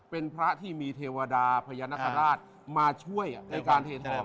เป็นพระที่มีเทวดาพญานาคาราชมาช่วยในการเททอง